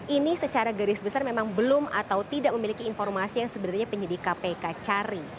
ini secara garis besar memang belum atau tidak memiliki informasi yang sebenarnya penyidik kpk cari